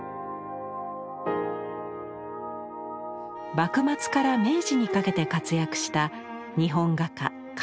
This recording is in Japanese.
幕末から明治にかけて活躍した日本画家狩野芳崖。